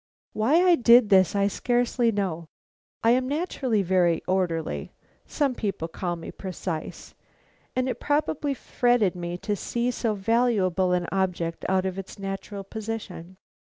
Why I did this I scarcely know. I am naturally very orderly (some people call me precise) and it probably fretted me to see so valuable an object out of its natural position.